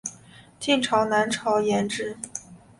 晋朝南朝沿置。